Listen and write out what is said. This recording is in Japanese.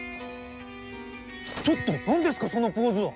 ちょっと何ですかそのポーズは！？